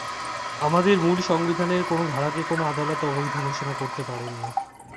আমাদের মূল সংবিধানের কোনো ধারাকে কোনো আদালত অবৈধ ঘোষণা করতে পারেন না।